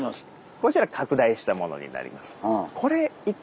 こちら拡大したものになります。